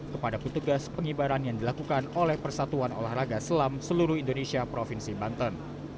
kepada petugas pengibaran yang dilakukan oleh persatuan olahraga selam seluruh indonesia provinsi banten